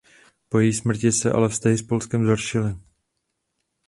Po její smrti se ale vztahy s Polskem zhoršily.